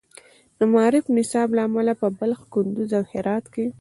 د معارف نصاب له امله په بلخ، کندز، او هرات کې